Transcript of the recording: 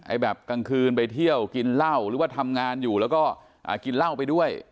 แบบกลางคืนไปเที่ยวกินเหล้าหรือว่าทำงานอยู่แล้วก็กินเหล้าไปด้วย